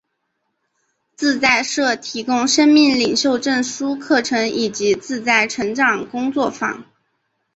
自在社提供生命领袖证书课程及自在成长工作坊。